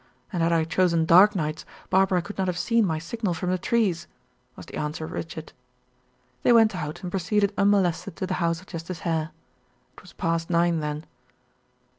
And had I chosen dark nights, Barbara could not have seen my signal from the trees," was the answer of Richard. They went out and proceeded unmolested to the house of Justice Hare. It was past nine, then.